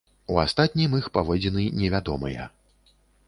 У астатнім іх паводзіны невядомыя.